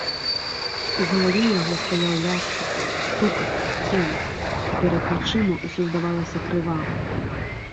У галаве яго стаяў ляскат, стукат, енк, а перад вачыма ўсё здавалася крывавым.